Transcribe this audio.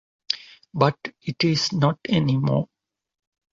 But it is not anymore.